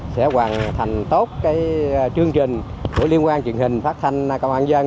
sẽ hoàn thành tốt cái chương trình của liên hoan truyền hình phát thanh công an nhân dân